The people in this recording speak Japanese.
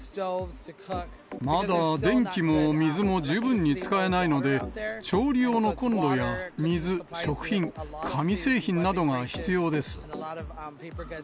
まだ電気も水も十分に使えないので、調理用のコンロや水、食品、紙製品などが必要です。